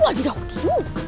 wah dia takutin